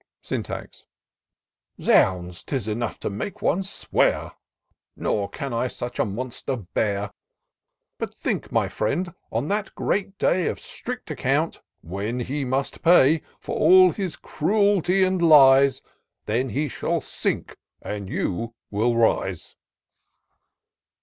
Syntax. " Zounds !— 'tis enough to make one swear. Nor can I such a monster bear : But, think, Iny friend, on that great day Of strict account, when he must pay For all his cruelty and lies: Then he shall sink, and you will rise."